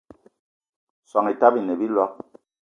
Soan Etaba ine a biloig